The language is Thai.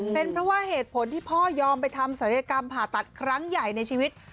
เป็นเพราะว่าเหตุผลที่พ่อยอมไปทำศัลยกรรมผ่าตัดครั้งใหญ่ในชีวิต